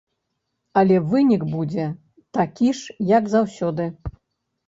Але вынік будзе такі ж, як заўсёды.